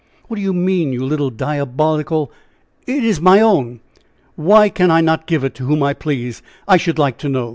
"What do you mean, you little diabolical ! It is my own why can I not give it to whom I please, I should like to know?"